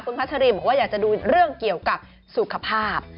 พัชรีบอกว่าอยากจะดูเรื่องเกี่ยวกับสุขภาพ